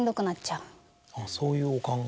そういうお考え。